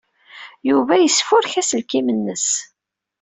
Yuba yesfurek aselkim-nnes.